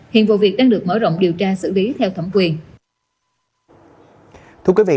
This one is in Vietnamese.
hiện vụ việc đang được mở rộng điều tra xử lý theo thẩm quyền